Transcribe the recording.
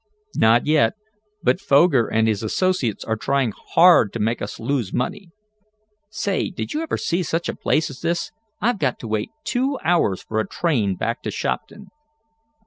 "Not yet, but Foger and his associates are trying hard to make us lose money. Say, did you ever see such a place as this? I've got to wait two hours for a train back to Shopton."